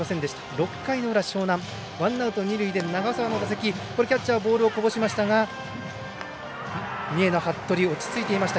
６回の裏、樟南ワンアウト、二塁で長澤の打席、キャッチャーがボールをこぼしましたが三重の服部、落ち着いていました。